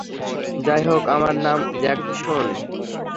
যাই হোক, আমার নাম জ্যাকসন।